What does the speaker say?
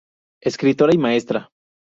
Escritora y maestra.